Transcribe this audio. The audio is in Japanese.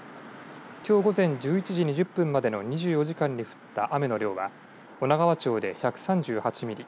きょう午前１１時２０分までの２４時間に降った雨の量は女川町で１３８ミリ